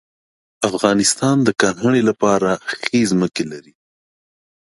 افغانستان د کرهڼې لپاره ښې ځمکې لري.